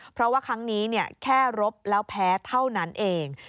เพราะว่าครั้งนี้แค่รบแล้วแพ้เท่านั้นเอง